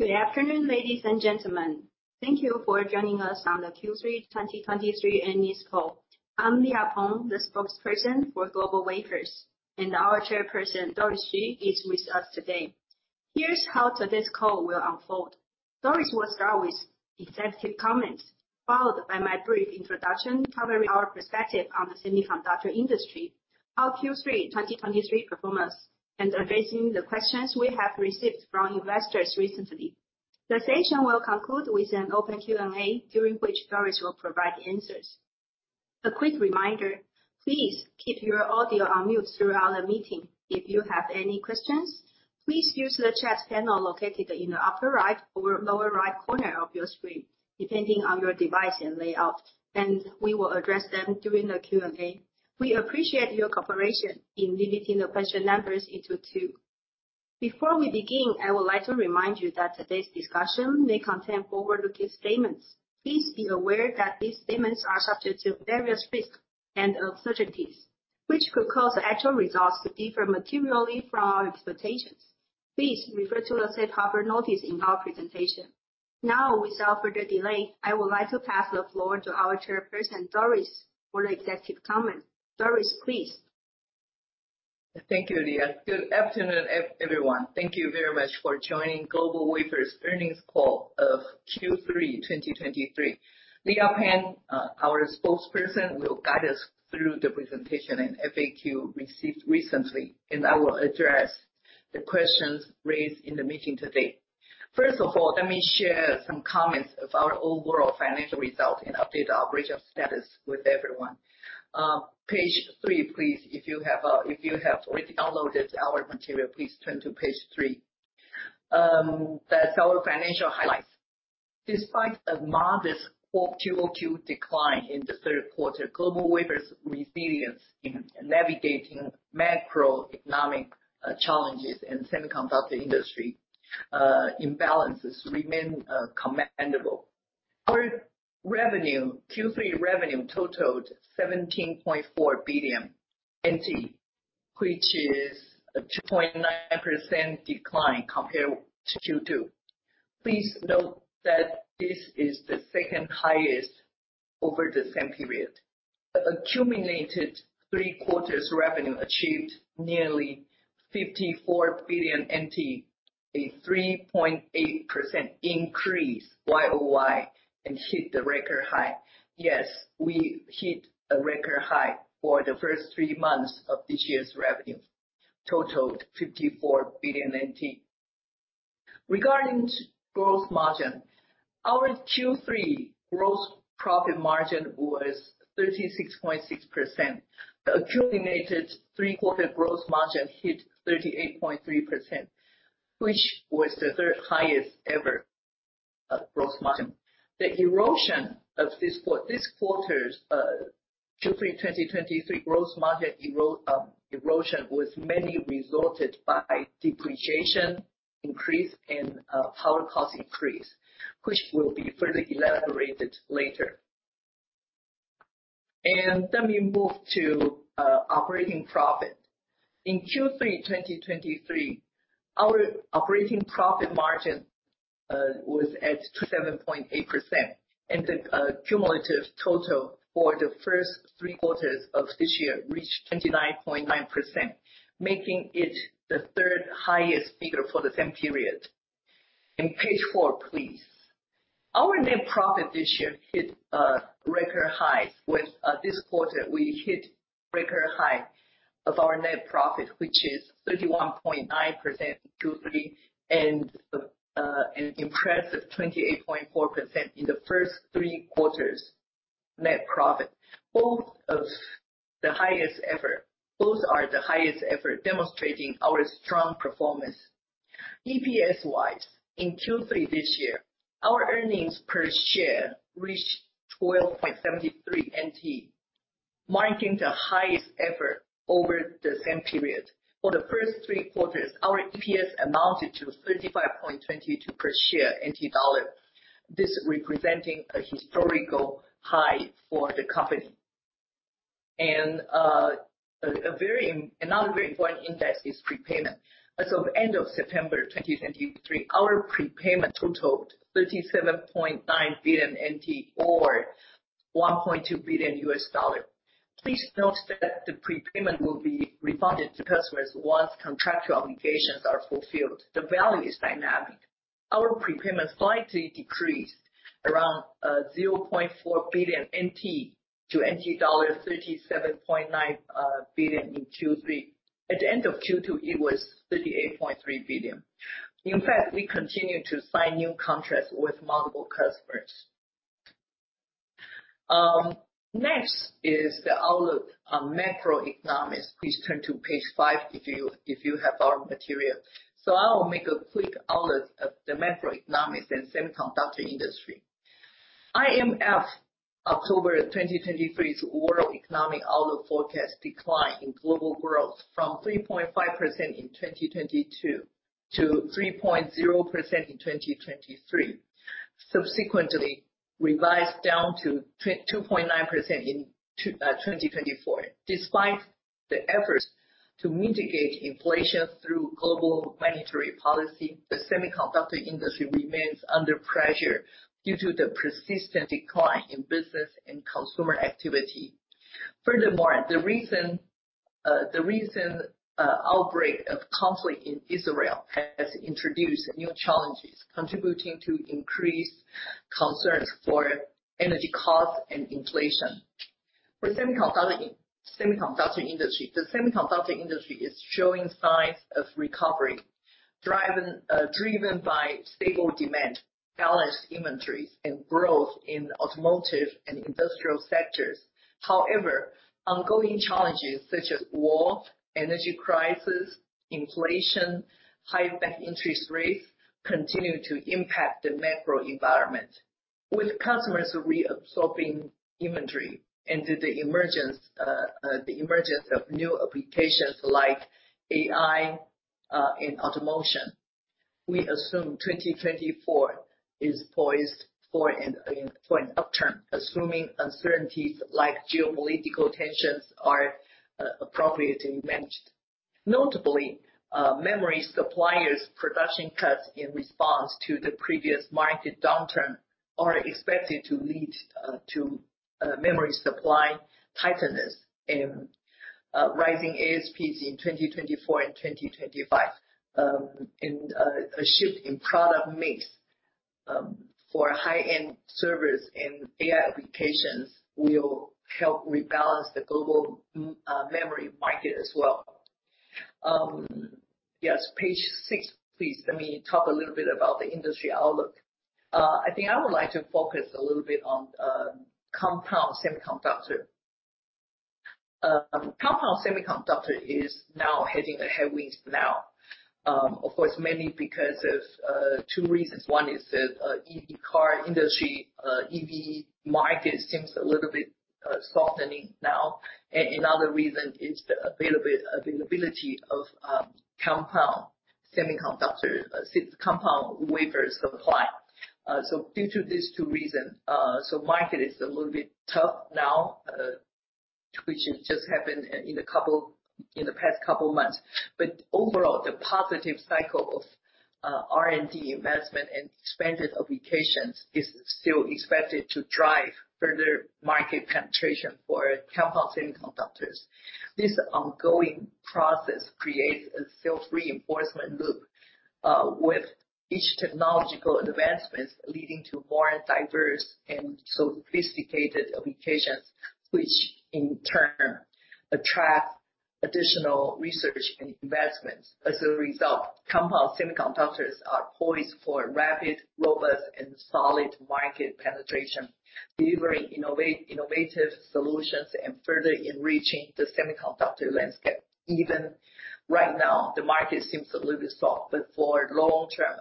Good afternoon, ladies and gentlemen. Thank you for joining us on the Q3 2023 earnings call. I'm Leah Peng, the spokesperson for GlobalWafers, and our Chairperson, Doris Hsu, is with us today. Here's how today's call will unfold. Doris will start with executive comments, followed by my brief introduction, covering our perspective on the semiconductor industry, our Q3 2023 performance, and addressing the questions we have received from investors recently. The session will conclude with an open Q&A, during which Doris will provide the answers. A quick reminder, please keep your audio on mute throughout the meeting. If you have any questions, please use the chat panel located in the upper right or lower right corner of your screen, depending on your device and layout, and we will address them during the Q&A. We appreciate your cooperation in limiting the question numbers into two. Before we begin, I would like to remind you that today's discussion may contain forward-looking statements. Please be aware that these statements are subject to various risks and uncertainties, which could cause the actual results to differ materially from our expectations. Please refer to the safe harbor notice in our presentation. Now, without further delay, I would like to pass the floor to our Chairperson, Doris, for the executive comment. Doris, please. Thank you, Leah. Good afternoon, everyone. Thank you very much for joining GlobalWafers earnings call of Q3 2023. Leah Peng, our spokesperson, will guide us through the presentation and FAQ received recently, and I will address the questions raised in the meeting today. First of all, let me share some comments of our overall financial results and update our operational status with everyone. Page three, please. If you have already downloaded our material, please turn to page three. That's our financial highlights. Despite a modest QOQ decline in the third quarter, GlobalWafers' resilience in navigating macroeconomic challenges and semiconductor industry imbalances remain commendable. Our revenue, Q3 revenue totaled 17.4 billion NTD, which is a 2.9% decline compared to Q2. Please note that this is the second highest over the same period. The accumulated three quarters revenue achieved nearly NTD 54 billion, a 3.8% increase YOY, and hit the record high. Yes, we hit a record high for the first three months of this year's revenue, totaled NTD 54 billion. Regarding gross margin, our Q3 gross profit margin was 36.6%. The accumulated three-quarter gross margin hit 38.3%, which was the third highest-ever gross margin. The erosion of this quarter's Q3 2023 gross margin erosion was mainly resulted by depreciation increase and power cost increase, which will be further elaborated later. And let me move to operating profit. In Q3 2023, our operating profit margin was at 27.8%, and the cumulative total for the first three quarters of this year reached 29.9%, making it the third highest figure for the same period. In page four, please. Our net profit this year hit record highs. With this quarter, we hit record high of our net profit, which is 31.9% in Q3 and an impressive 28.4% in the first three quarters net profit. Both of the highest ever—both are the highest ever, demonstrating our strong performance. EPS wise, in Q3 this year, our earnings per share reached 12.73 NTD, marking the highest ever over the same period. For the first three quarters, our EPS amounted to 35.22 NTD per share. This representing a historical high for the company. And, a very... Another very important index is prepayment. As of end of September 2023, our prepayment totaled NTD 37.9 billion or $1.2 billion. Please note that the prepayment will be refunded to customers once contractual obligations are fulfilled. The value is dynamic. Our prepayment slightly decreased, around, 0.4 billion NTD to NTD 37.9 billion in Q3. At the end of Q2, it was NTD 38.3 billion. In fact, we continue to sign new contracts with multiple customers. Next is the outlook on macroeconomics. Please turn to page 5 if you, if you have our material. So I will make a quick outlook of the macroeconomics and semiconductor industry. IMF, October 2023's World Economic Outlook forecast decline in global growth from 3.5% in 2022 to 3.0% in 2023. Subsequently revised down to 2.9% in 2024. Despite the efforts to mitigate inflation through global monetary policy, the semiconductor industry remains under pressure due to the persistent decline in business and consumer activity. Furthermore, the recent outbreak of conflict in Israel has introduced new challenges, contributing to increased concerns for energy costs and inflation. For the semiconductor industry, the semiconductor industry is showing signs of recovery, driven by stable demand, balanced inventories, and growth in automotive and industrial sectors. However, ongoing challenges such as war, energy crisis, inflation, high bank interest rates continue to impact the macro environment. With customers reabsorbing inventory into the emergence, the emergence of new applications like AI, and automation, we assume 2024 is poised for an upturn, assuming uncertainties like geopolitical tensions are appropriately managed. Notably, memory suppliers' production cuts in response to the previous market downturn are expected to lead to memory supply tightness and rising ASPs in 2024 and 2025. A shift in product mix for high-end servers and AI applications will help rebalance the global memory market as well. Yes, page six, please. Let me talk a little bit about the industry outlook. I think I would like to focus a little bit on compound semiconductor. Compound semiconductor is now hitting the headwinds, of course, mainly because of two reasons. One is the EV car industry. EV market seems a little bit softening now, and another reason is the availability of compound semiconductor, compound wafer supply. So due to these two reasons, so market is a little bit tough now, which has just happened in the past couple months. But overall, the positive cycle of R&D investment and expanded applications is still expected to drive further market penetration for compound semiconductors. This ongoing process creates a self-reinforcement loop, with each technological advancements leading to more diverse and sophisticated applications, which in turn attract additional research and investments. As a result, compound semiconductors are poised for rapid, robust, and solid market penetration, delivering innovative solutions and further enriching the semiconductor landscape. Even right now, the market seems a little bit soft, but for long term,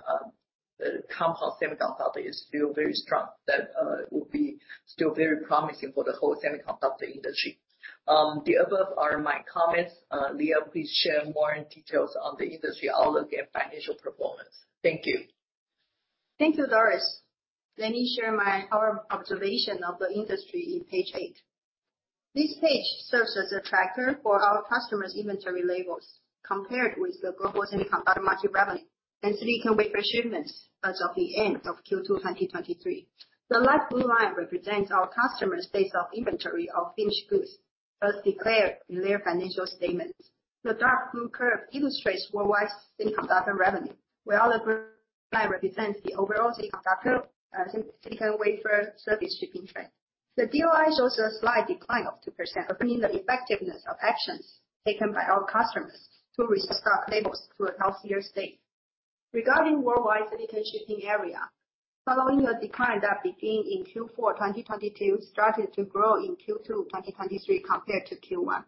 the compound semiconductor is still very strong. That will be still very promising for the whole semiconductor industry. The above are my comments. Leah, please share more details on the industry outlook and financial performance. Thank you. Thank you, Doris. Let me share our observation of the industry in page 8. This page serves as a tracker for our customers' inventory levels compared with the global semiconductor market revenue and silicon wafer shipments as of the end of Q2 2023. The light blue line represents our customers' days of inventory of finished goods, as declared in their financial statements. The dark blue curve illustrates worldwide semiconductor revenue, while the line represents the overall semiconductor silicon wafer shipment shipping trend. The DOI shows a slight decline of 2%, affirming the effectiveness of actions taken by our customers to restart levels to a healthier state. Regarding worldwide silicon shipping area, following a decline that began in Q4 2022, started to grow in Q2 2023 compared to Q1.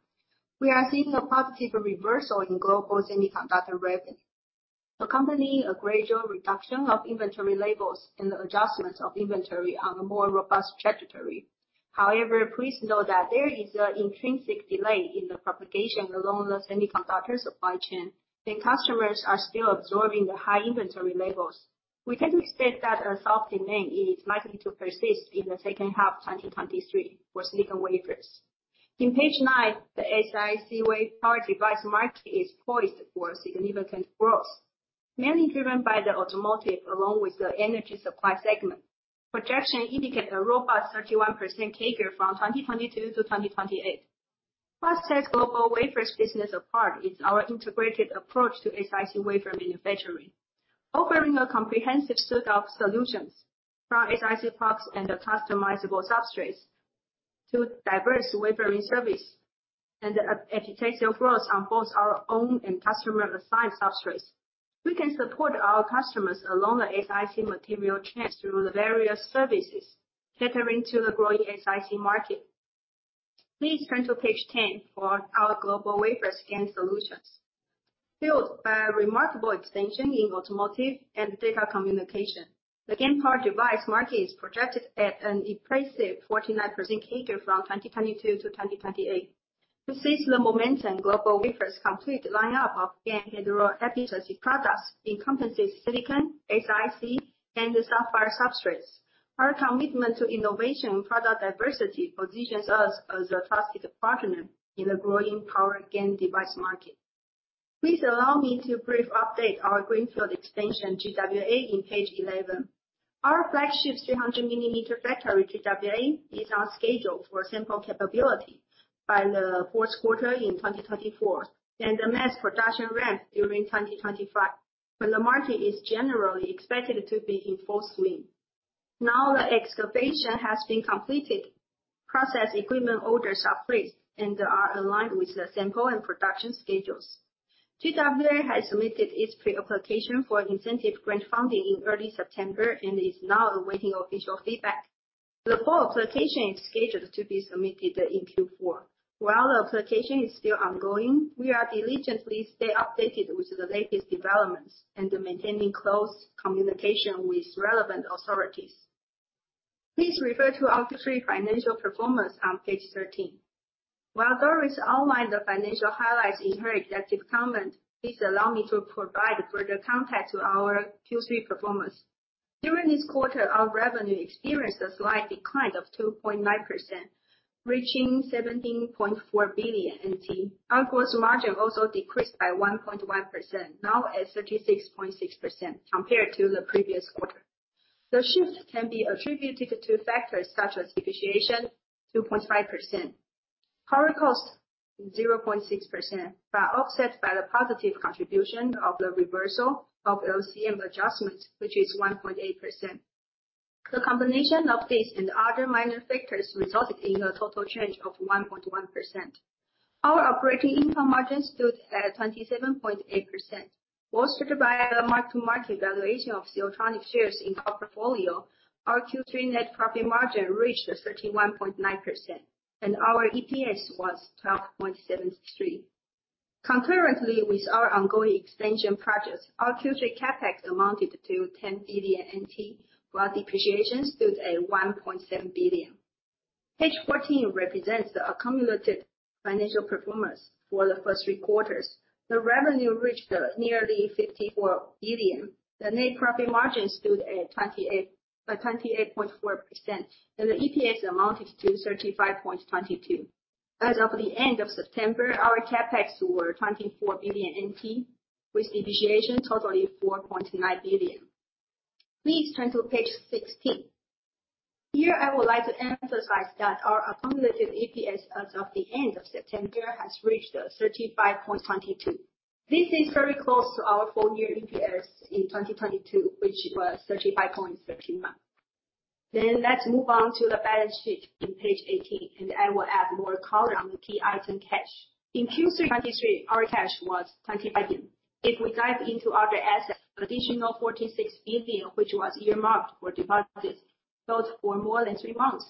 We are seeing a positive reversal in global semiconductor revenue, accompanying a gradual reduction of inventory levels and the adjustments of inventory on a more robust trajectory. However, please note that there is an intrinsic delay in the propagation along the semiconductor supply chain, and customers are still absorbing the high inventory levels. We can expect that a soft demand is likely to persist in the second half 2023 for silicon wafers. In page 9, the SiC wafer power device market is poised for significant growth, mainly driven by the automotive along with the energy supply segment. Projections indicate a robust 31% CAGR from 2022 to 2028. What sets GlobalWafers' business apart is our integrated approach to SiC wafer manufacturing, offering a comprehensive set of solutions from SiC parks and customizable substrates to diverse wafering service and epitaxy growth on both our own and customer-assigned substrates. We can support our customers along the SiC material chains through the various services, catering to the growing SiC market. Please turn to page 10 for our GlobalWafers GaN solutions. Built by a remarkable expansion in automotive and data communication, the GaN power device market is projected at an impressive 49% CAGR from 2022 to 2028.... To seize the momentum, GlobalWafers' complete lineup of GaN hetero-epitaxy products encompasses silicon, SiC, and the sapphire substrates. Our commitment to innovation and product diversity positions us as a trusted partner in the growing power GaN device market. Please allow me to brief update our greenfield expansion, GWA, in page 11. Our flagship 300-millimeter factory, GWA, is on schedule for sample capability by the fourth quarter in 2024, and the mass production ramp during 2025, when the market is generally expected to be in full swing. Now, the excavation has been completed. Process equipment orders are placed and are aligned with the sample and production schedules. GWA has submitted its pre-application for incentive grant funding in early September, and is now awaiting official feedback. The full application is scheduled to be submitted in Q4. While the application is still ongoing, we are diligently stay updated with the latest developments and maintaining close communication with relevant authorities. Please refer to our Q3 financial performance on page 13. While Doris outlined the financial highlights in her executive comment, please allow me to provide further context to our Q3 performance. During this quarter, our revenue experienced a slight decline of 2.9%, reaching NTD 17.4 billion. Our gross margin also decreased by 1.1%, now at 36.6% compared to the previous quarter. The shift can be attributed to factors such as depreciation, 2.5%, power cost, 0.6%, but offset by the positive contribution of the reversal of LCM adjustment, which is 1.8%. The combination of this and other minor factors resulted in a total change of 1.1%. Our operating income margin stood at 27.8%, boosted by the mark-to-market valuation of Siltronic shares in our portfolio. Our Q3 net profit margin reached 31.9%, and our EPS was 12.73. Concurrently with our ongoing expansion projects, our Q3 CapEx amounted to NTD 10 billion, while depreciation stood at NTD 1.7 billion. Page 14 represents the accumulated financial performance for the first three quarters. The revenue reached nearly NTD 54 billion. The net profit margin stood at 28, 28.4%, and the EPS amounted to 35.22. As of the end of September, our CapEx were NTD 24 billion, with depreciation totaling NTD 4.9 billion. Please turn to page 16. Here, I would like to emphasize that our accumulative EPS as of the end of September has reached 35.22. This is very close to our full year EPS in 2022, which was 35.39. Then let's move on to the balance sheet in page 18, and I will add more color on the key item, cash. In Q3 2023, our cash was NTD 20 billion. If we dive into other assets, additional NTD 46 billion, which was earmarked for deposits, held for more than three months,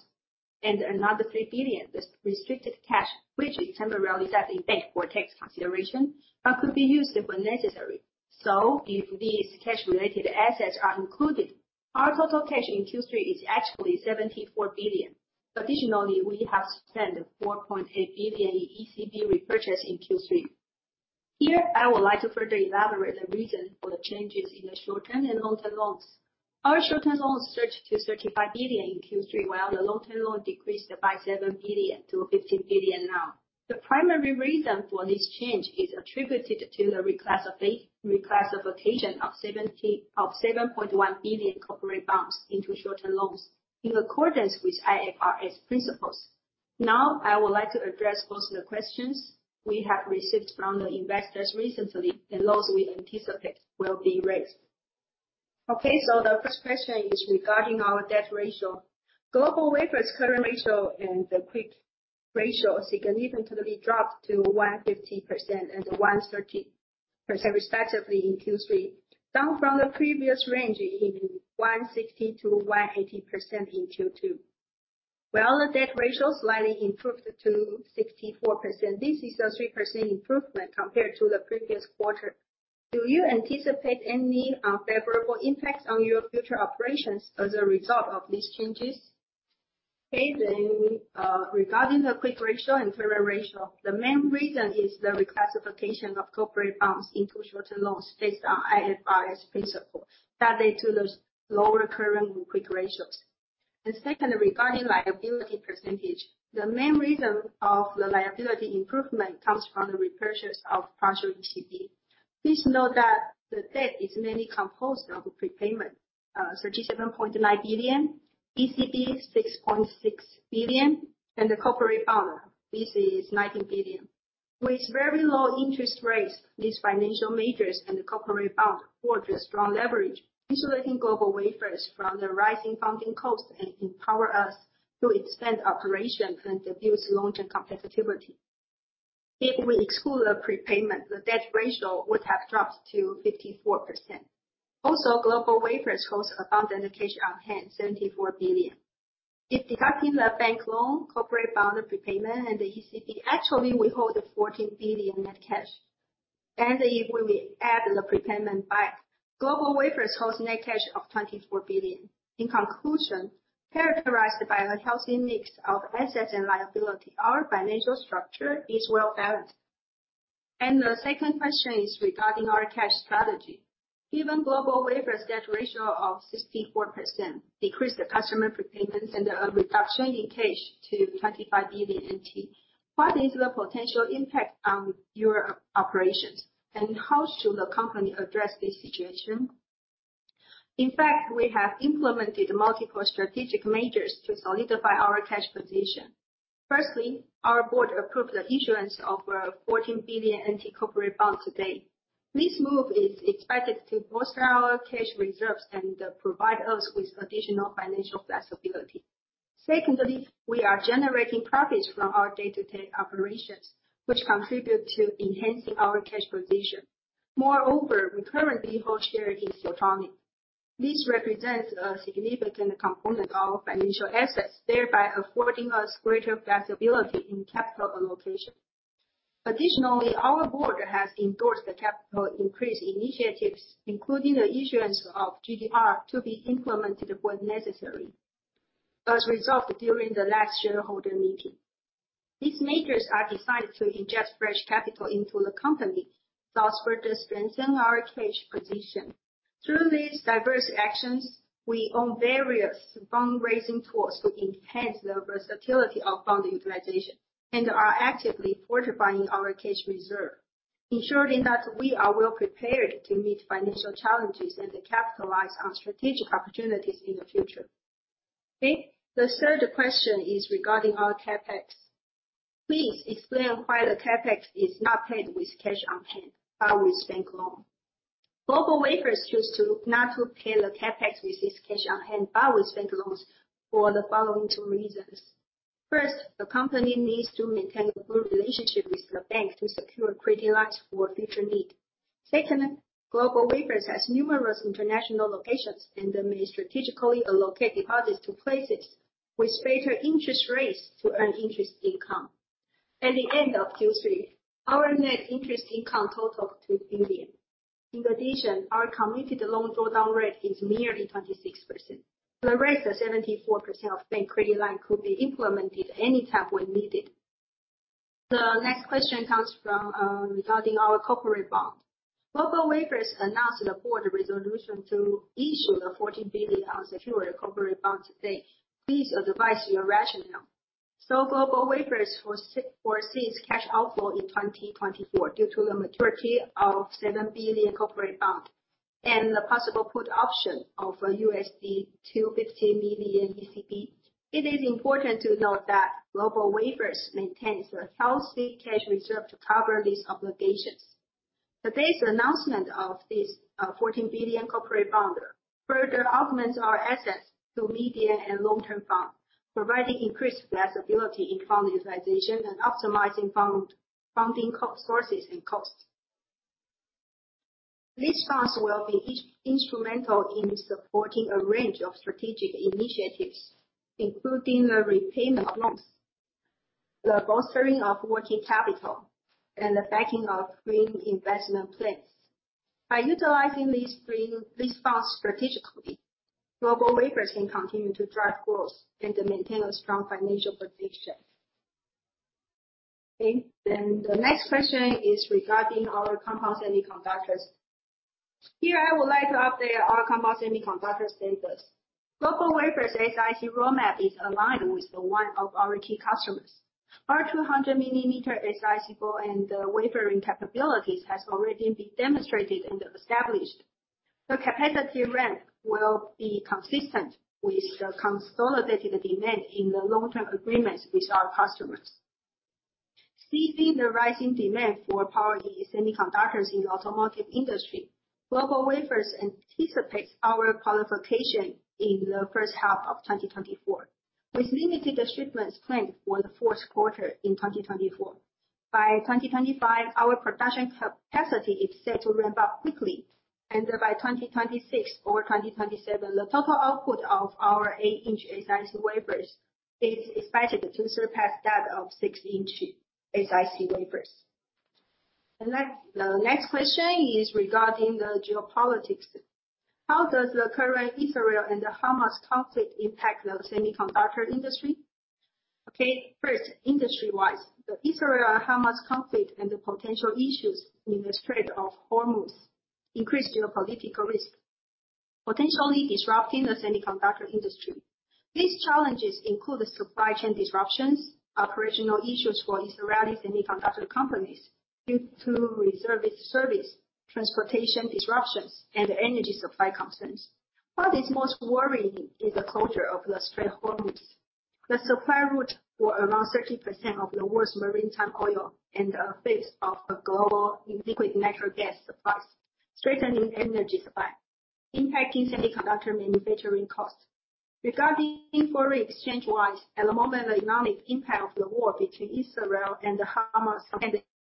and another NTD 3 billion, this restricted cash, which is temporarily sat in bank for tax consideration, but could be used when necessary. So if these cash-related assets are included, our total cash in Q3 is actually NTD 74 billion. Additionally, we have spent NTD 4.8 billion in ECB repurchase in Q3. Here, I would like to further elaborate the reason for the changes in the short-term and long-term loans. Our short-term loans surged to NTD 35 billion in Q3, while the long-term loan decreased by NTD 7 billion to NTD 50 billion now. The primary reason for this change is attributed to the reclassification of 7.1 billion corporate bonds into short-term loans in accordance with IFRS principles. Now, I would like to address most of the questions we have received from the investors recently, and those we anticipate will be raised. Okay, so the first question is regarding our debt ratio. GlobalWafers' current ratio and the quick ratio significantly dropped to 150% and 130%, respectively, in Q3, down from the previous range in 160%-180% in Q2. While the debt ratio slightly improved to 64%, this is a 3% improvement compared to the previous quarter. Do you anticipate any unfavorable impacts on your future operations as a result of these changes? Okay, then, regarding the quick ratio and current ratio, the main reason is the reclassification of corporate bonds into short-term loans based on IFRS principle, that lead to those lower current and quick ratios. And secondly, regarding liability percentage, the main reason of the liability improvement comes from the repurchase of partial ECB. Please note that the debt is mainly composed of prepayment, NTD 37.9 billion, ECB, NTD 6.6 billion, and the corporate bond, this is NTD 19 billion. With very low interest rates, these financial measures and the corporate bond offer a strong leverage, insulating GlobalWafers from the rising funding costs and empower us to expand operations and deduce long-term profitability. If we exclude the prepayment, the debt ratio would have dropped to 54%. Also, GlobalWafers holds a bond dedication on hand, NTD 74 billion. If deducting the bank loan, corporate bond prepayment, and the ECB, actually, we hold a 14 billion NTD net cash... and if we add the prepayment back, GlobalWafers holds net cash of 24 billion NTD. In conclusion, characterized by a healthy mix of assets and liability, our financial structure is well-balanced. And the second question is regarding our cash strategy. Given GlobalWafers' debt ratio of 64%, decrease the customer prepayments, and a reduction in cash to 25 billion NTD, what is the potential impact on your operations, and how should the company address this situation? In fact, we have implemented multiple strategic measures to solidify our cash position. Firstly, our board approved the issuance of 14 billion NTD corporate bonds today. This move is expected to bolster our cash reserves and provide us with additional financial flexibility. Secondly, we are generating profits from our day-to-day operations, which contribute to enhancing our cash position. Moreover, we currently hold share in Siltronic. This represents a significant component of our financial assets, thereby affording us greater flexibility in capital allocation. Additionally, our board has endorsed the capital increase initiatives, including the issuance of GDR, to be implemented when necessary, as resolved during the last shareholder meeting. These measures are designed to inject fresh capital into the company, thus further strengthen our cash position. Through these diverse actions, we own various fundraising tools to enhance the versatility of funding utilization and are actively fortifying our cash reserve, ensuring that we are well prepared to meet financial challenges and to capitalize on strategic opportunities in the future. Okay, the third question is regarding our CapEx. Please explain why the CapEx is not paid with cash on hand, but with bank loan? GlobalWafers chooses not to pay the CapEx with its cash on hand, but with bank loans for the following two reasons. First, the company needs to maintain a good relationship with the bank to secure credit lines for future need. Second, GlobalWafers has numerous international locations and may strategically allocate deposits to places with better interest rates to earn interest income. At the end of Q3, our net interest income totaled to NTD billion. In addition, our committed loan drawdown rate is merely 26%. The rest, 74% of bank credit line could be implemented anytime when needed. The next question comes from, regarding our corporate bond. GlobalWafers announced the board resolution to issue the NTD 14 billion unsecured corporate bond today. Please advise your rationale. GlobalWafers foresees cash outflow in 2024 due to the maturity of NTD 7 billion corporate bond and the possible put option of $250 million ECB. It is important to note that GlobalWafers maintains a healthy cash reserve to cover these obligations. Today's announcement of this fourteen billion corporate bond further augments our assets through medium and long-term funds, providing increased flexibility in fund utilization and optimizing funding sources and costs. These funds will be instrumental in supporting a range of strategic initiatives, including the repayment of loans, the bolstering of working capital, and the backing of green investment plans. By utilizing these funds strategically, GlobalWafers can continue to drive growth and maintain a strong financial position. Okay, then the next question is regarding our compound semiconductors. Here, I would like to update our compound semiconductor status. GlobalWafers SiC roadmap is aligned with the one of our key customers. Our 200 mm SiC and wafering capabilities has already been demonstrated and established. The capacity ramp will be consistent with the consolidated demand in the long-term agreements with our customers. Seizing the rising demand for power semiconductors in the automotive industry, GlobalWafers anticipates our qualification in the first half of 2024, with limited shipments planned for the fourth quarter in 2024. By 2025, our production capacity is set to ramp up quickly, and by 2026 or 2027, the total output of our eight-inch SiC wafers is expected to surpass that of six-inch SiC wafers. The next question is regarding the geopolitics. How does the current Israel and the Hamas conflict impact the semiconductor industry? Okay, first, industry-wise, the Israel and Hamas conflict and the potential issues in the Strait of Hormuz increase geopolitical risk, potentially disrupting the semiconductor industry. These challenges include the supply chain disruptions, operational issues for Israeli semiconductor companies due to reserve service, transportation disruptions, and energy supply concerns. What is most worrying is the closure of the Strait of Hormuz. The supply route for around 30% of the world's maritime oil and a fifth of the global liquid natural gas supplies, strengthening energy supply, impacting semiconductor manufacturing costs. Regarding foreign exchange-wise, at the moment, the economic impact of the war between Israel and the Hamas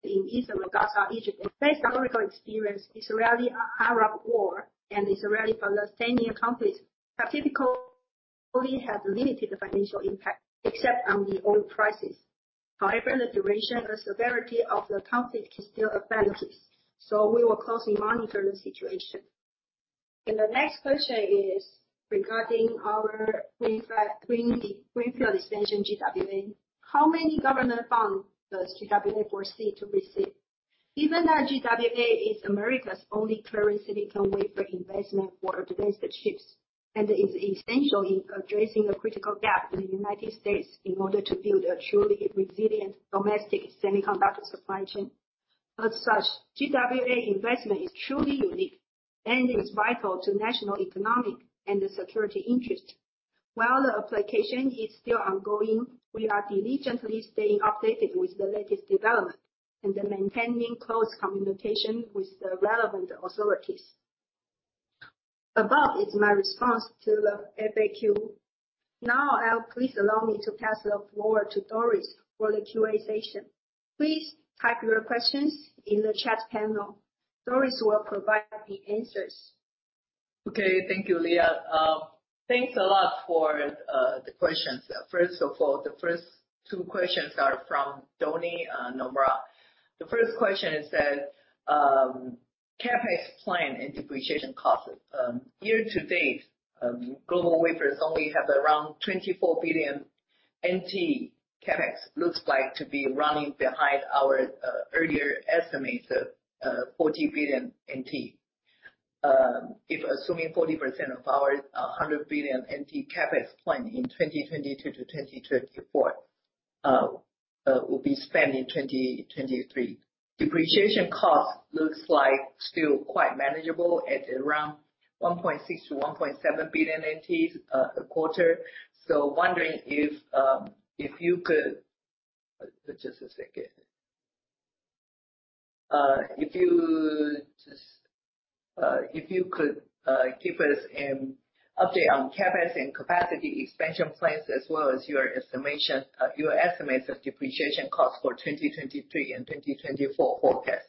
in Israel, Gaza, Egypt. Based on historical experience, Israeli-Arab war and Israeli-Palestinian conflict are typical-...only has limited financial impact, except on the oil prices. However, the duration and severity of the conflict is still advancing, so we will closely monitor the situation. The next question is regarding our greenfield expansion, GWA. How many government funds does GWA foresee to receive? Given that GWA is America's only clear silicon wafer investment for advanced chips, and is essential in addressing a critical gap in the United States in order to build a truly resilient domestic semiconductor supply chain. As such, GWA investment is truly unique and is vital to national economic and security interest. While the application is still ongoing, we are diligently staying updated with the latest development and maintaining close communication with the relevant authorities. Above is my response to the FAQ. Now, please allow me to pass the floor to Doris for the Q&A session. Please type your questions in the chat panel. Doris will provide the answers. Okay, thank you, Leah. Thanks a lot for the questions. First of all, the first two questions are from Donnie, Nomura. The first question is that, CapEx plan and depreciation costs. Year to date, GlobalWafers only have around NTD 24 billion CapEx looks like to be running behind our earlier estimates of NTD 40 billion. If assuming 40% of our NTD 100 billion CapEx plan in 2022 to 2024 will be spent in 2023. Depreciation cost looks like still quite manageable at around NTD 1.6 billion-NTD 1.7 billion a quarter. So wondering if, if you could... Just a second. If you just, if you could, give us an update on CapEx and capacity expansion plans, as well as your estimation, your estimates of depreciation costs for 2023 and 2024 forecast.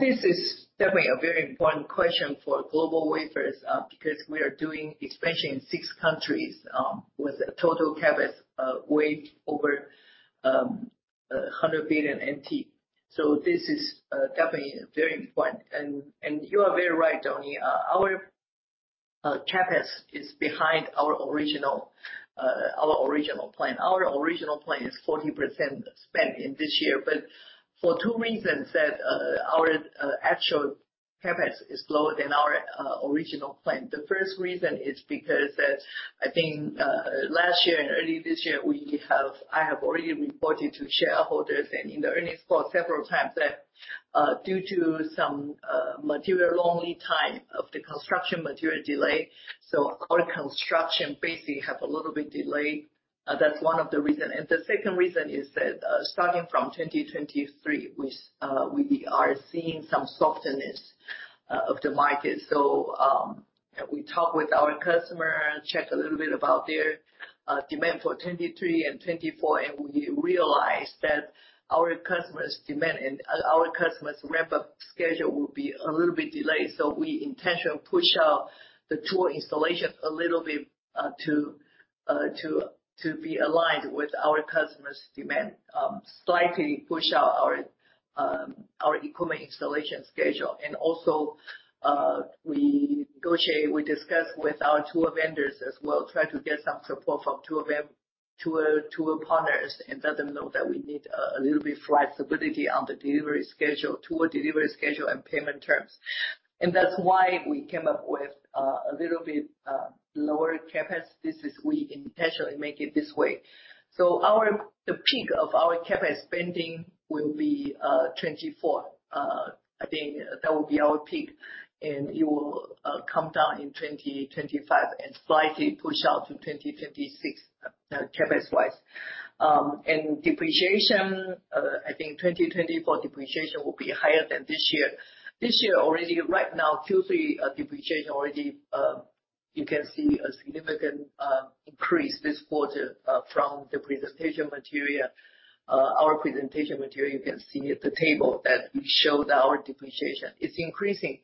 This is definitely a very important question for GlobalWafers, because we are doing expansion in six countries, with a total CapEx way over NTD 100 billion. So this is definitely very important. And, and you are very right, Donnie, our CapEx is behind our original, our original plan. Our original plan is 40% spent in this year, but for two reasons that our actual CapEx is lower than our original plan. The first reason is because that, I think, last year and early this year, we have—I have already reported to shareholders and in the earnings call several times that, due to some material lead time of the construction material delay, so our construction basically have a little bit delayed. That's one of the reason. And the second reason is that, starting from 2023, we are seeing some softness of the market. So, we talk with our customer, check a little bit about their demand for 2023 and 2024, and we realized that our customers' demand and our customers' ramp-up schedule will be a little bit delayed. So we intentionally push out the tool installation a little bit, to be aligned with our customers' demand. Slightly push out our our equipment installation schedule. Also, we negotiate, we discuss with our tool vendors as well, try to get some support from tool partners, and let them know that we need a little bit flexibility on the delivery schedule, tool delivery schedule and payment terms. And that's why we came up with a little bit lower CapEx. This is we intentionally make it this way. So our, the peak of our CapEx spending will be 2024. I think that will be our peak, and it will come down in 2025 and slightly push out to 2026, CapEx wise. And depreciation, I think 2024 depreciation will be higher than this year. This year, already right now, Q3, depreciation already, you can see a significant increase this quarter, from the presentation material. Our presentation material, you can see the table that we showed our depreciation. It's increasing,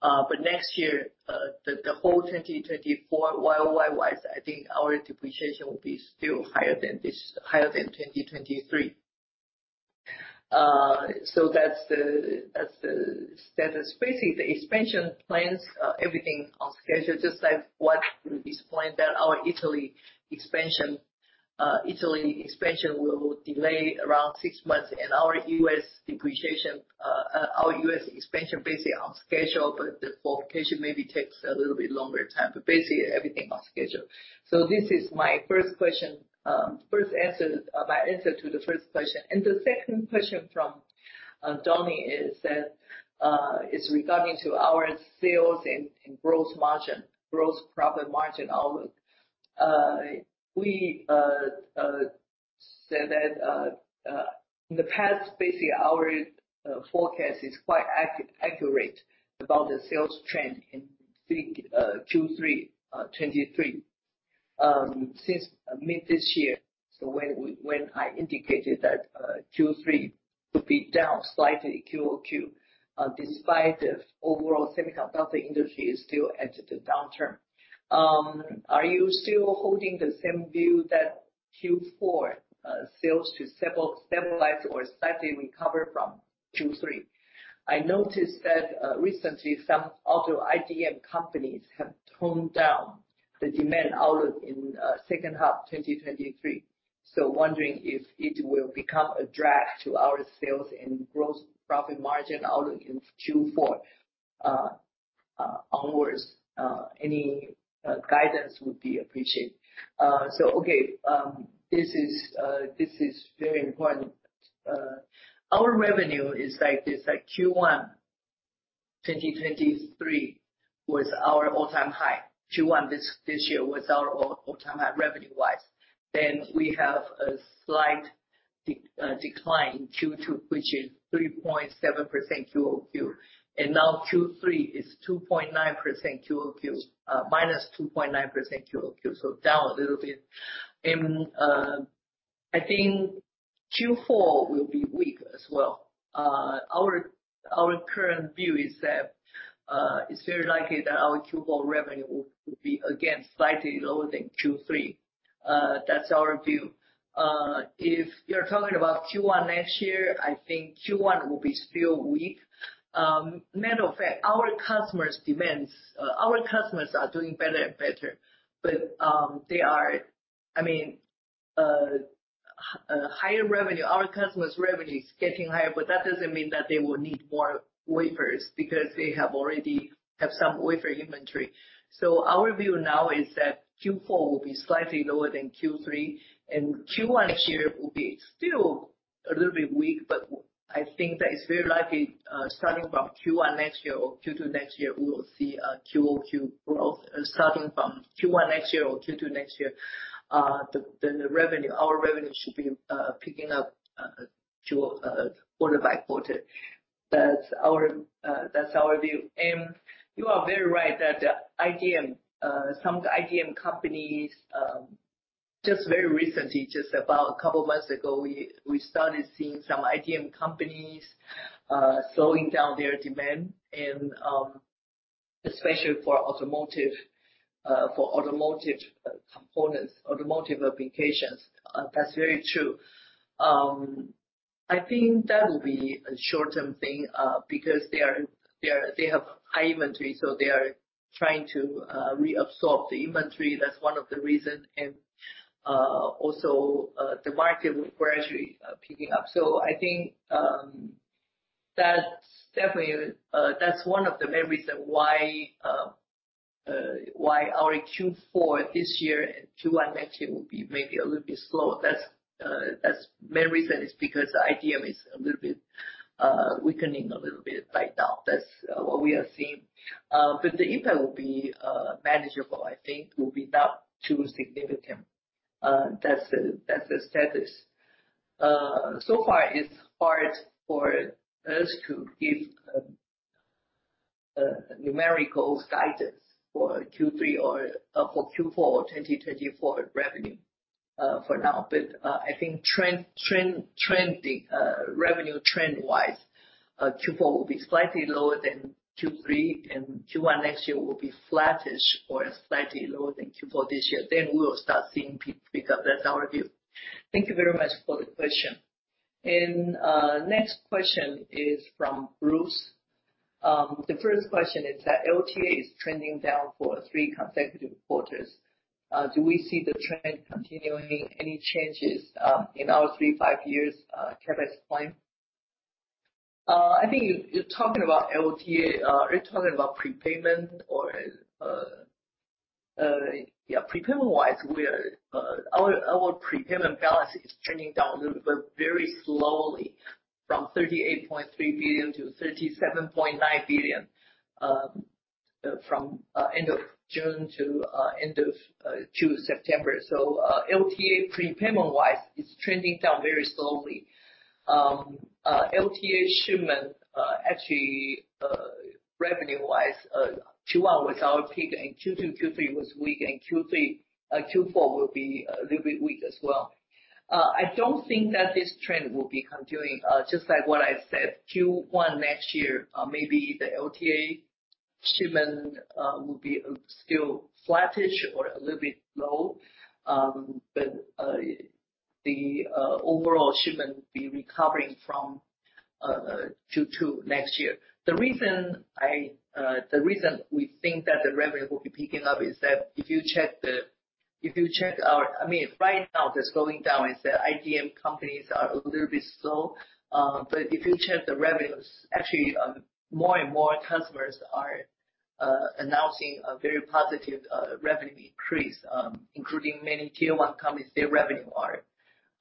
but next year, the whole 2024, YOY wise, I think our depreciation will be still higher than this, higher than 2023. So that's the, that's the status. Basically, the expansion plans, everything on schedule, just like what we explained, that our Italy expansion, Italy expansion will delay around 6 months, and our US depreciation, our US expansion basically on schedule, but the qualification maybe takes a little bit longer time. But basically, everything on schedule. So this is my first question, first answer, my answer to the first question. And the second question from Donnie is that, is regarding to our sales and, and gross margin, gross profit margin outlook. We said that in the past, basically, our forecast is quite accurate about the sales trend in Q3 2023. Since mid this year, so when we, when I indicated that Q3 will be down slightly QOQ, despite the overall semiconductor industry is still at the downturn. Are you still holding the same view that Q4 sales should stabilize or slightly recover from Q3? I noticed that recently some auto IDM companies have toned down the demand outlook in second half 2023. So wondering if it will become a drag to our sales and gross profit margin outlook in Q4 onwards. Any guidance would be appreciated. So okay, this is very important. Our revenue is like this, like Q1 2023 was our all-time high. Q1 this year was our all-time high, revenue-wise. We have a slight decline in Q2, which is 3.7% QOQ. Now Q3 is 2.9% QOQ, minus 2.9% QOQ, so down a little bit. I think Q4 will be weak as well. Our current view is that it's very likely that our Q4 revenue will be again slightly lower than Q3. That's our view. If you're talking about Q1 next year, I think Q1 will be still weak. Matter of fact, our customers' demands, our customers are doing better and better, but, I mean, higher revenue, our customers' revenue is getting higher, but that doesn't mean that they will need more wafers, because they have already have some wafer inventory. So our view now is that Q4 will be slightly lower than Q3, and Q1 next year will be still a little bit weak, but I think that it's very likely, starting from Q1 next year or Q2 next year, we will see a QOQ growth. Starting from Q1 next year or Q2 next year, the revenue, our revenue should be picking up quarter by quarter. That's our view. You are very right that the IDM, some IDM companies, just very recently, just about a couple of months ago, we, we started seeing some IDM companies, slowing down their demand and, especially for automotive, for automotive components, automotive applications. That's very true. I think that will be a short-term thing, because they are, they are, they have high inventory, so they are trying to reabsorb the inventory. That's one of the reasons. Also, the market will gradually picking up. I think that's definitely that's one of the main reasons why, why our Q4 this year and Q1 next year will be maybe a little bit slower. That's that's main reason is because the IDM is a little bit weakening a little bit right now. That's what we are seeing. But the impact will be manageable. I think it will be not too significant. That's the status. So far, it's hard for us to give numerical guidance for Q3 or for Q4 2024 revenue for now. But I think revenue trend-wise, Q4 will be slightly lower than Q3, and Q1 next year will be flattish or slightly lower than Q4 this year. Then we will start seeing pick up. That's our view. Thank you very much for the question. And next question is from Bruce. The first question is that LTA is trending down for three consecutive quarters. Do we see the trend continuing? Any changes in our three- to five-year CapEx plan? I think you're talking about LTA. Are you talking about prepayment or... Yeah, prepayment-wise, we are, our prepayment balance is trending down a little bit, very slowly, from NTD 38.3 billion-NTD 37.9 billion, from end of June to end of September. So LTA, prepayment-wise, is trending down very slowly. LTA shipment, actually, revenue-wise, Q1 was our peak, and Q2, Q3 was weak, and Q3, Q4 will be a little bit weak as well. I don't think that this trend will be continuing. Just like what I said, Q1 next year, maybe the LTA shipment will be still flattish or a little bit low. But the overall shipment will be recovering from Q2 next year. The reason we think that the revenue will be picking up is that if you check the—if you check our—I mean, right now, that's going down is the IDM companies are a little bit slow. But if you check the revenues, actually, more and more customers are announcing a very positive revenue increase, including many Tier One companies, their revenue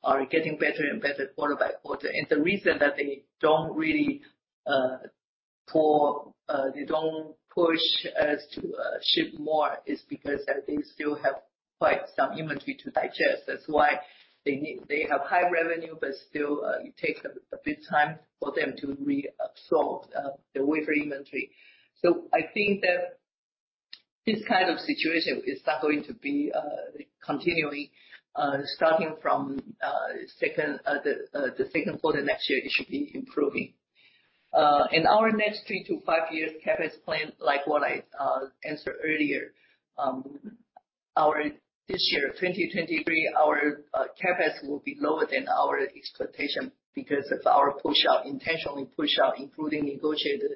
are getting better and better quarter by quarter. And the reason that they don't really pull, they don't push us to ship more, is because that they still have quite some inventory to digest. That's why they need—they have high revenue, but still, it takes a bit, a bit time for them to reabsorb the wafer inventory. So I think that... This kind of situation is not going to be continuing, starting from the second quarter next year, it should be improving. In our next three to five years CapEx plan, like what I answered earlier, our this year, 2023, our CapEx will be lower than our expectation, because of our push out, intentionally push out, including negotiated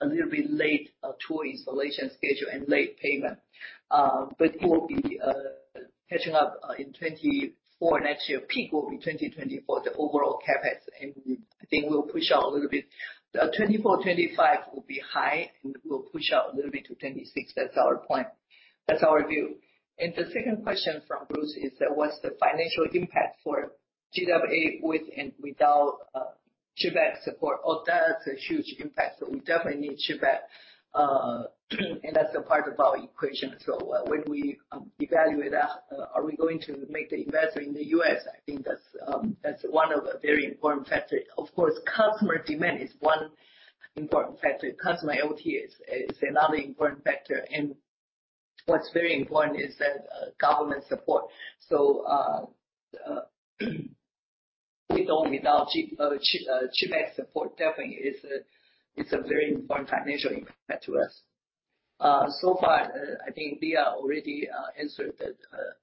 a little bit late tool installation schedule and late payment. But we'll be catching up in 2024, next year. Peak will be 2024, the overall CapEx, and I think we'll push out a little bit. 2024, 2025 will be high, and we'll push out a little bit to 2026. That's our point. That's our view. The second question from Bruce is that, "What's the financial impact for GWA with and without CHIPS Act support?" Oh, that's a huge impact. So we definitely need CHIPS Act, and that's a part of our equation. So when we evaluate are we going to make the investment in the U.S., I think that's one of the very important factors. Of course, customer demand is one important factor. Customer OT is another important factor, and what's very important is that government support. So, without CHIPS Act support, definitely it's a very important financial impact to us. So far, I think Leah already answered that.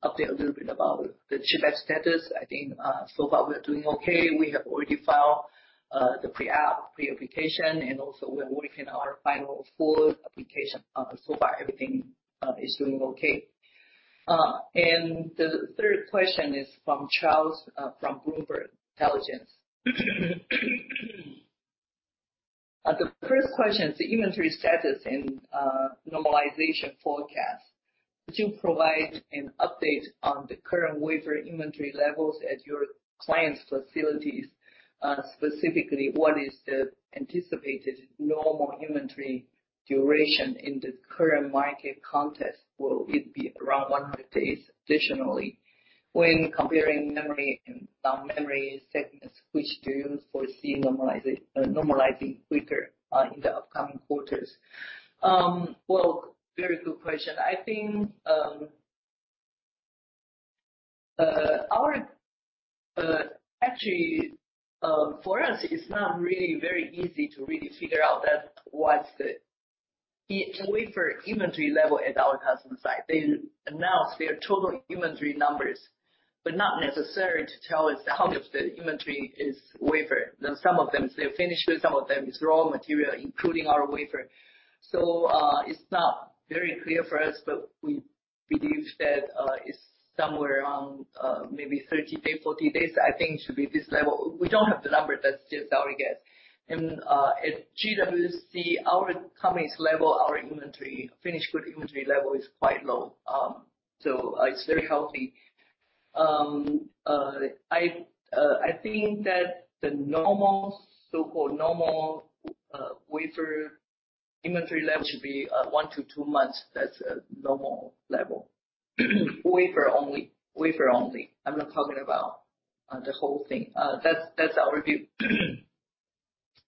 Update a little bit about the CHIPS Act status. I think so far we are doing okay. We have already filed the pre-app, pre-application, and also we are working on our final full application. So far, everything is doing okay. The third question is from Charles from Bloomberg Intelligence. The first question is the inventory status and normalization forecast. "Could you provide an update on the current wafer inventory levels at your client's facilities? Specifically, what is the anticipated normal inventory duration in the current market context? Will it be around 100 days? Additionally, when comparing memory and non-memory segments, which do you foresee normalize, normalizing quicker in the upcoming quarters?" Well, very good question. I think, actually, for us, it's not really very easy to really figure out that, what's the wafer inventory level at our customer site. They announce their total inventory numbers, but not necessary to tell us how much the inventory is wafer. Now, some of them, they're finished goods, some of them is raw material, including our wafer. So, it's not very clear for us, but we believe that, it's somewhere around, maybe 30 days, 40 days. I think it should be this level. We don't have the number, that's just our guess. And, at GWC, our company's level, our inventory, finished good inventory level is quite low. So it's very healthy. I think that the normal, so-called normal, wafer inventory level should be, one to two months. That's a normal level. Wafer only. Wafer only. I'm not talking about, the whole thing. That's, that's our view.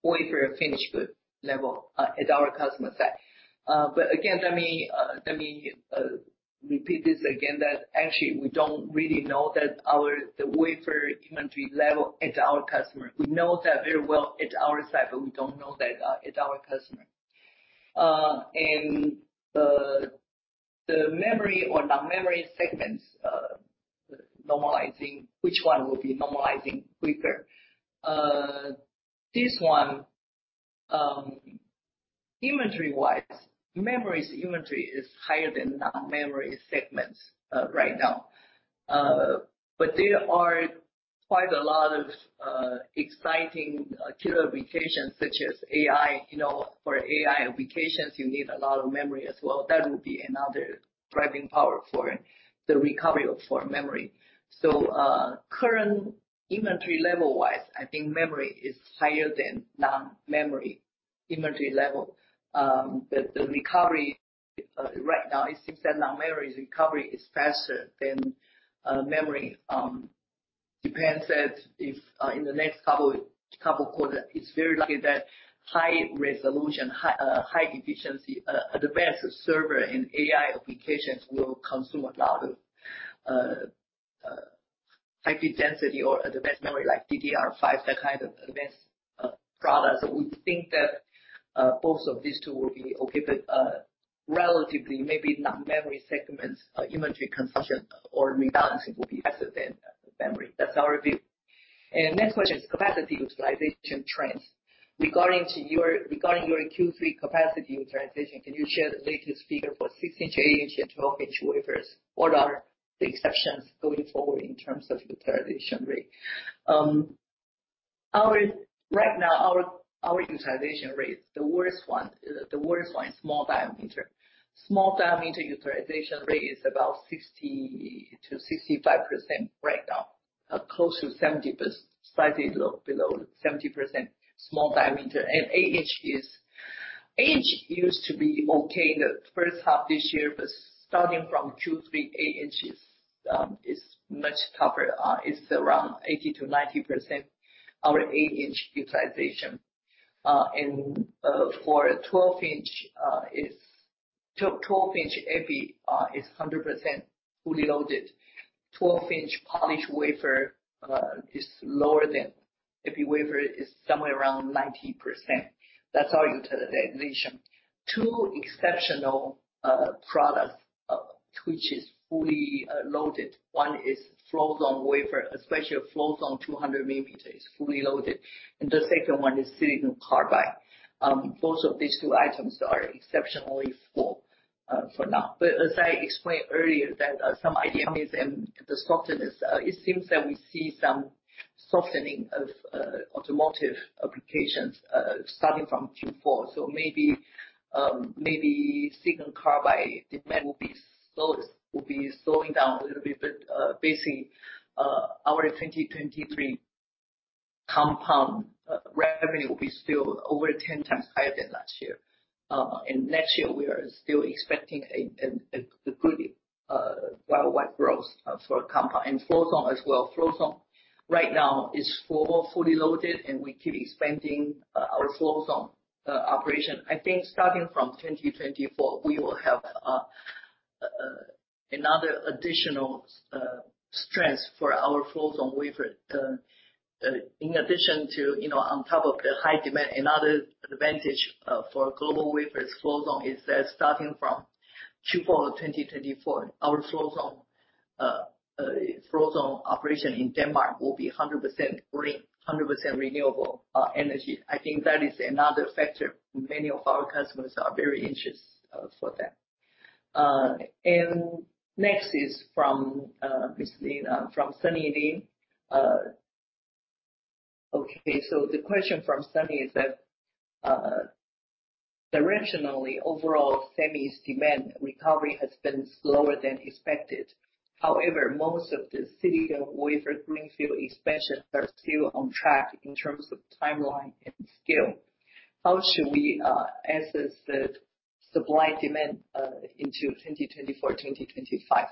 Wafer finished good level, at our customer site. But again, let me repeat this again, that actually we don't really know that our, the wafer inventory level at our customer. We know that very well at our site, but we don't know that at our customer. And the memory or non-memory segments normalizing, which one will be normalizing quicker? This one, inventory-wise, memory's inventory is higher than non-memory segments right now. But there are quite a lot of exciting killer applications such as AI. You know, for AI applications, you need a lot of memory as well. That will be another driving power for the recovery for memory. So, current inventory level-wise, I think memory is higher than non-memory inventory level. But the recovery right now, it seems that non-memory's recovery is faster than memory. Depends that if, in the next couple, couple quarter, it's very likely that high resolution, high efficiency, advanced server and AI applications will consume a lot of, high density or advanced memory, like DDR5, that kind of advanced products. So we think that, both of these two will be okay, but, relatively, maybe non-memory segments, inventory consumption or rebalancing will be faster than memory. That's our view. And next question is capacity utilization trends. "Regarding your Q3 capacity utilization, can you share the latest figure for 16-inch, eight-inch and 12-inch wafers? What are the expectations going forward in terms of utilization rate?" Our, right now, our utilization rates, the worst one is small diameter. Small diameter utilization rate is about 60%-65% right now, close to 70%, slightly low, below 70%, small diameter. And eight-inch is, eight-inch used to be okay in the first half this year, but starting from 2, 3, 8 inches, is much tougher. It's around 80%-90%, our eight-inch utilization. And, for a 12-inch, 12-inch epi, is 100% fully loaded. 12-inch polished wafer, is lower than epi wafer, is somewhere around 90%. That's our utilization. Two exceptional products, which is fully loaded. One is Float Zone wafer, especially a Float Zone 200 mm is fully loaded, and the second one is silicon carbide. Both of these two items are exceptionally full, for now. But as I explained earlier, that some IDMs and the softness, it seems that we see some softening of automotive applications starting from Q4. So maybe, maybe silicon carbide demand will be slowing down a little bit. But basically, our 2023 compound revenue will be still over 10 times higher than last year. And next year, we are still expecting a good worldwide growth for compound and Float Zone as well. Float Zone right now is fully loaded, and we keep expanding our Float Zone operation. I think starting from 2024, we will have another additional strength for our Float Zone wafer. In addition to, you know, on top of the high demand, another advantage for GlobalWafers' Float Zone is that starting from Q4 2024, our Float Zone operation in Denmark will be 100% green, 100% renewable energy. I think that is another factor many of our customers are very interested for that. And next is from Miss Lin from Sunny Lin. Okay, so the question from Sunny is that directionally, overall semis demand recovery has been slower than expected. However, most of the silicon wafer greenfield expansion are still on track in terms of timeline and scale. How should we assess the supply-demand into 2024, 2025?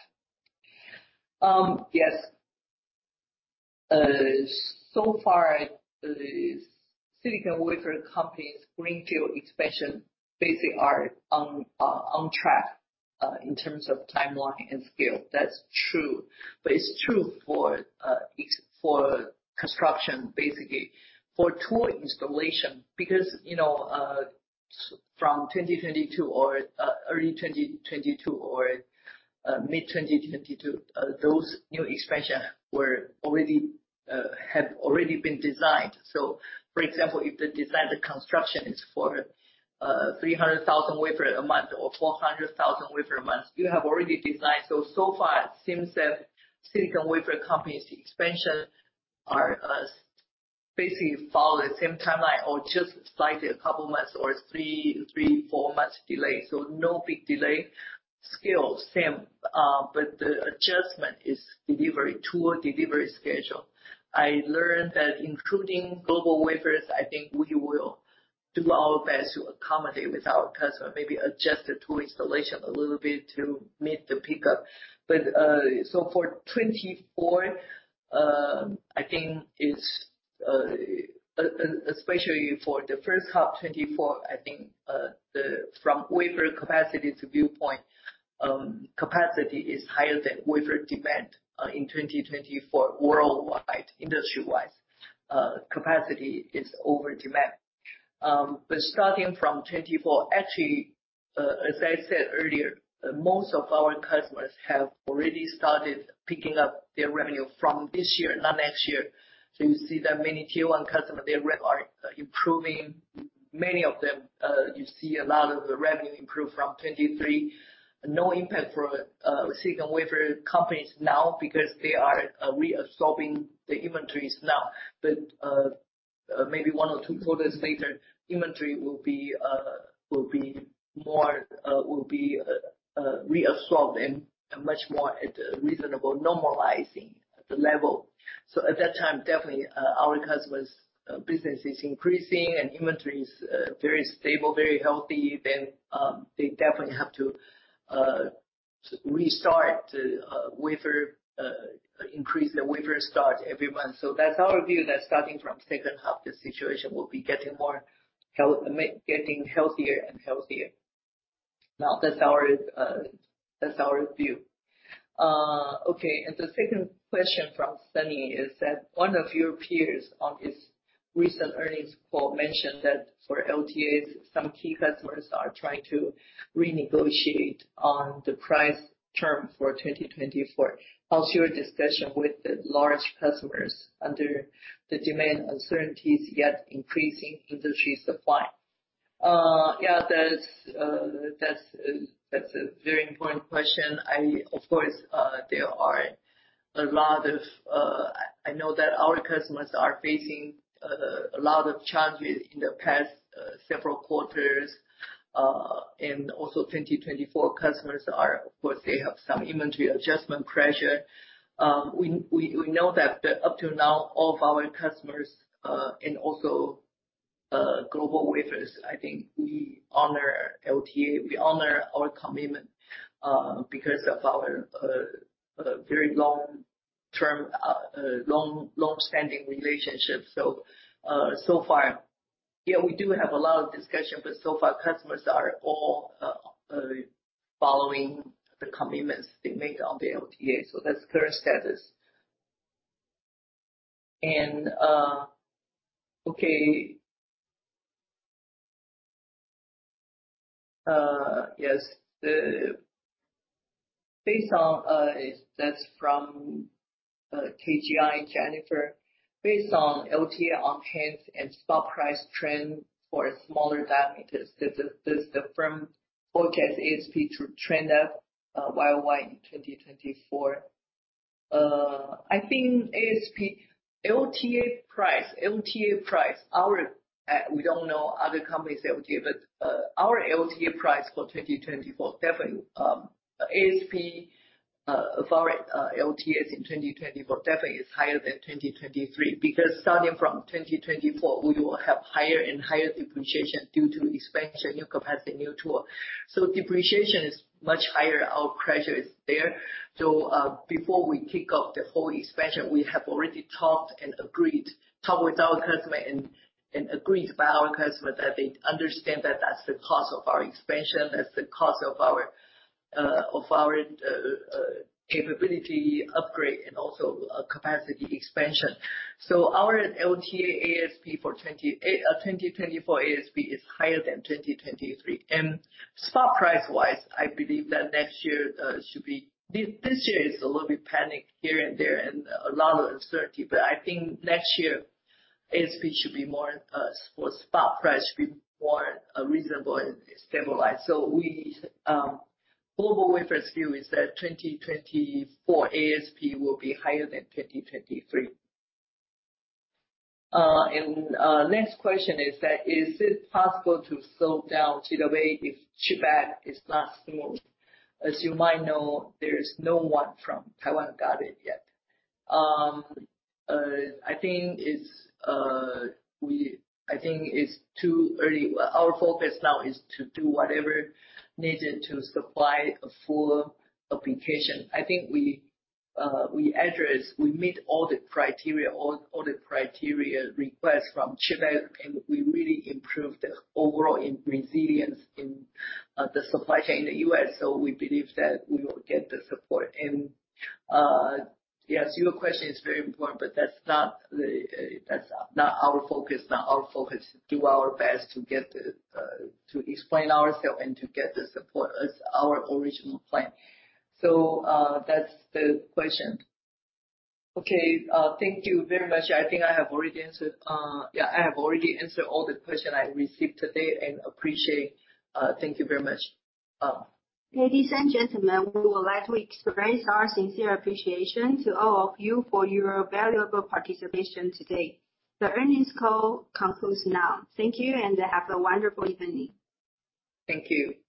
Yes, so far, the silicon wafer company's greenfield expansion basically are on track in terms of timeline and scale. That's true, but it's true for construction, basically, for tool installation. Because, you know, from 2022 or early 2022 or mid 2022, those new expansions were already had already been designed. So for example, if the designed construction is for 300,000 wafer a month or 400,000 wafer a month, you have already designed. So, so far, it seems that silicon wafer companies expansion are basically follow the same timeline or just slightly a couple of months or three, three, four months delay. So no big delay. Scale, same, but the adjustment is delivery, tool delivery schedule. I learned that including GlobalWafers, I think we will do our best to accommodate with our customer, maybe adjust the tool installation a little bit to meet the pickup. But, so for 2024, I think it's especially for the first half 2024, I think from the wafer capacity viewpoint, capacity is higher than wafer demand in 2024 worldwide, industry-wise, capacity is over demand. But starting from 2024, actually, as I said earlier, most of our customers have already started picking up their revenue from this year, not next year. So you see that many Tier One customers, their rev are improving. Many of them, you see a lot of the revenue improve from 2023. No impact for silicon wafer companies now because they are reabsorbing the inventories now. But, maybe one or two quarters later, inventory will be more reabsorbed and a much more reasonable normalizing the level. So at that time, definitely, our customers business is increasing and inventory is very stable, very healthy, then, they definitely have to restart wafer increase the wafer start every month. So that's our view, that starting from second half, the situation will be getting more health-- getting healthier and healthier. Now, that's our, that's our view. Okay, and the second question from Sunny is that one of your peers on this recent earnings call mentioned that for LTAs, some key customers are trying to renegotiate on the price term for 2024. How's your discussion with the large customers under the demand uncertainties, yet increasing industry supply? Yeah, that's, that's, that's a very important question. I, of course, there are a lot of, I know that our customers are facing a lot of challenges in the past several quarters, and also 2024 customers are, of course, they have some inventory adjustment pressure. We know that up till now, all of our customers and also GlobalWafers, I think we honor LTA, we honor our commitment because of our very long term long-standing relationship. So, so far, yeah, we do have a lot of discussion, but so far, customers are all following the commitments they made on the LTA. So that's current status. Okay. Yes, based on, that's from KGI, Jennifer. Based on LTA on-hand and spot price trend for smaller diameters, does the firm forecast ASP to trend up YOY in 2024? I think ASP, LTA price, LTA price, our, we don't know other companies LTA, but, our LTA price for 2024, definitely, ASP, for, LTAs in 2024 definitely is higher than 2023. Because starting from 2024, we will have higher and higher depreciation due to expansion, new capacity, new tool. So depreciation is much higher. Our pressure is there. So, before we kick off the whole expansion, we have already talked and agreed, talked with our customer and, and agreed by our customer that they understand that that's the cost of our expansion, that's the cost of our, of our, capability upgrade and also, capacity expansion. So our LTA ASP for 2024 ASP is higher than 2023. And spot price-wise, I believe that next year, should be... This year is a little bit panic here and there, and a lot of uncertainty, but I think next year, ASP should be more, for spot price, should be more, reasonable and stabilized. So, GlobalWafers view is that 2024 ASP will be higher than 2023. And, next question is that, "Is it possible to slow down to the way if CHIPS Act is not smooth? As you might know, there is no one from Taiwan got it yet." I think it's too early. Our focus now is to do whatever needed to supply a full application. I think we address, we meet all the criteria, all, all the criteria requests from CHIPS Act, and we really improved the overall resilience in the supply chain in the U.S., so we believe that we will get the support. And, yes, your question is very important, but that's not the, that's not our focus. Now, our focus, do our best to get the, to explain ourselves and to get the support as our original plan. So, that's the question. Okay, thank you very much. I think I have already answered, yeah, I have already answered all the question I received today, and appreciate. Thank you very much. Ladies and gentlemen, we would like to express our sincere appreciation to all of you for your valuable participation today. The earnings call concludes now. Thank you, and have a wonderful evening. Thank you.